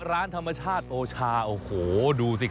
ร้านธรรมชาติโอชาโอ้โหดูสิ